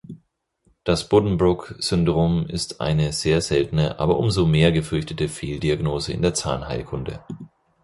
Das Buddenbrook-Syndrom ist eine sehr seltene, aber umso mehr gefürchtete Fehldiagnose in der Zahnheilkunde.